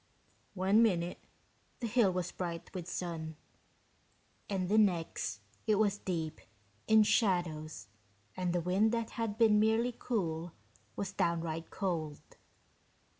One minute the hill was bright with sun, and the next it was deep in shadows and the wind that had been merely cool was downright cold.